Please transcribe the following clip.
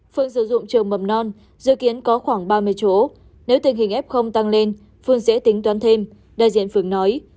phường sử dụng trường mầm non dự kiến có khoảng ba mươi chỗ nếu tình hình f tăng lên phường sẽ tính toán thêm đại diện phường nói